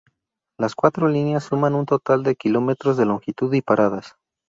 Las cuatro líneas suman un total de kilómetros de longitud y paradas.